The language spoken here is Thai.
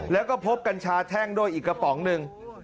แล้วก็พบกัญชาแท่งด้วยอีกกระป๋องหนึ่ง